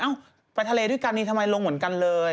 ไปทะเลด้วยกันนี่ทำไมลงเหมือนกันเลย